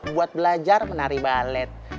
buat belajar menari balet